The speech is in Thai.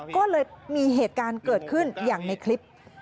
ก็เลยมีเหตุการณ์เกิดขึ้นอย่างในคลิป